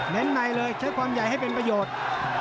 ในเลยใช้ความใหญ่ให้เป็นประโยชน์